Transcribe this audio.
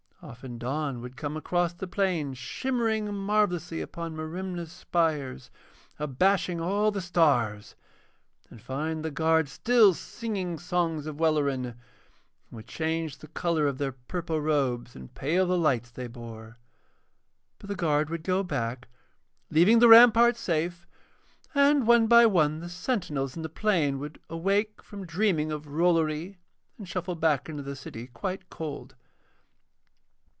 Often dawn would come across the plain, shimmering marvellously upon Merimna's spires, abashing all the stars, and find the guard still singing songs of Welleran, and would change the colour of their purple robes and pale the lights they bore. But the guard would go back leaving the ramparts safe, and one by one the sentinels in the plain would awake from dreaming of Rollory and shuffle back into the city quite cold.